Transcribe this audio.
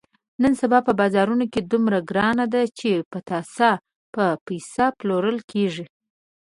نن سبا په بازارونو کې دومره ګراني ده، چې پتاسه په پیسه پلورل کېږي.